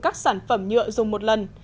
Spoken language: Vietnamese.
các sản phẩm nhựa dùng một lần